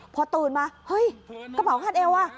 พอตื่นมาเฮ้ยกระเป๋าคาดเอวอ่ะ